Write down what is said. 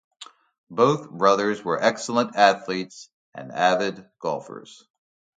Both brothers were excellent athletes and avid golfers.